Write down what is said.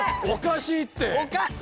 おかしいって！